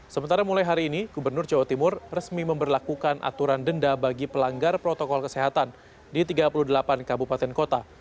sementara mulai hari ini gubernur jawa timur resmi memperlakukan aturan denda bagi pelanggar protokol kesehatan di tiga puluh delapan kabupaten kota